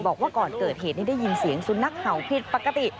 บอกว่าก่อนเกิดเหตุนี้ได้ยินเสียงสุนัขเห่าผิดปกติ